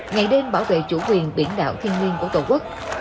ngày đêm bảo vệ chủ quyền biển đảo thiên liên của tổ quốc